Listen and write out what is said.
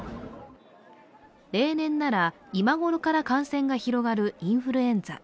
例年なら、今ごろから感染が広がるインフルエンザ。